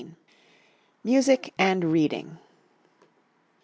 MUSIC AND READING.